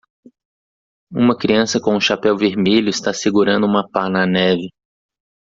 Uma criança com um chapéu vermelho está segurando uma pá na neve.